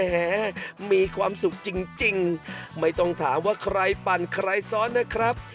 มีความสุขจริงไม่ต้องถามว่าใครปั่นใครซ้อนนะครับ